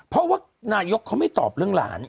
เพราะว่านายกเขาไม่ตอบเรื่องหลาน